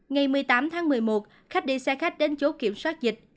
ngày một mươi tám tháng một mươi một khách đi xe khách đến chốt kiểm soát dịch